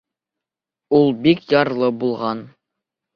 Ул биҡ ярлы булған.